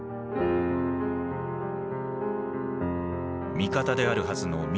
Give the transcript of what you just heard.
味方であるはずの南